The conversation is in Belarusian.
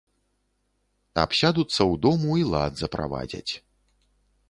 Абсядуцца ў дому і лад заправадзяць.